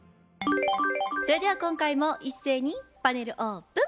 それでは今回も一斉にパネルオープン。